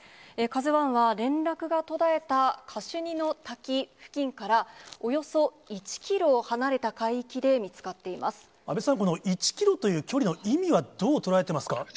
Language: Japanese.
カズワンは連絡が途絶えたカシュニの滝付近から、およそ１キロ離安倍さん、この１キロという距離の意味はどう捉えてますか？